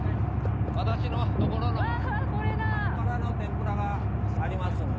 私のところのアスパラの天ぷらがありますんで。